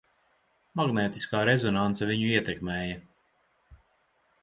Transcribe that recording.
Magnētiskā rezonanse viņu ietekmēja.